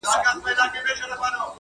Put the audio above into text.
لا تیاره وه په اوږو یې ساه شړله؛